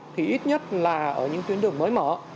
thì ít nhất là ở những tuyến đường mới mở